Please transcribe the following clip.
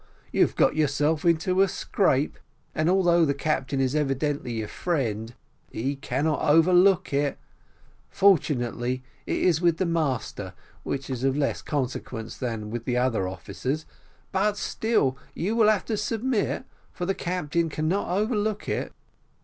You have got yourself into a scrape, and although the captain is evidently your friend, he cannot overlook it: fortunately, it is with the master, which is of less consequence than with the other officers; but still, you will have to submit, for the captain cannot overlook it."